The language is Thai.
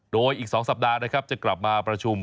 โดยอีก๒สัปดาห์จะกลับมาประชุม